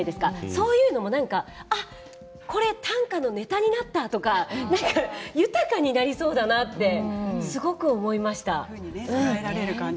そういうのもこれ短歌のネタになったとか豊かになりそうだなってすごく思いました。